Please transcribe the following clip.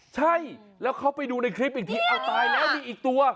ใช่แล้วเขาไปดูในคลิปอีกทีเอาตายแล้วมีอีกตัว